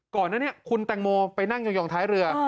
ก่อนหน้านี้คุณแตงโมไปนั่งยองท้ายเรือ